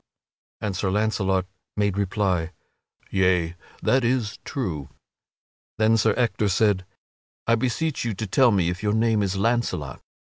And Sir Launcelot made reply: "Yea, that is true." Then Sir Ector said: "I beseech you to tell me if your name is Launcelot."